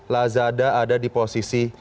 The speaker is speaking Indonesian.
lazada ada di posisi